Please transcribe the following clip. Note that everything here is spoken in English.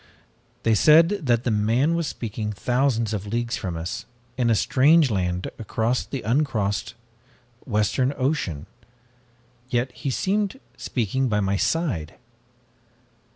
They said that the man was speaking thousands of leagues from us, in a strange land across the uncrossed western ocean, yet he seemed speaking by my side!